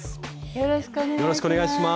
よろしくお願いします。